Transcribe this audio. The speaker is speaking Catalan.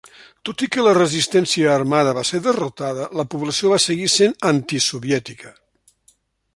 Tot i que la resistència armada va ser derrotada, la població va seguir sent antisoviètica.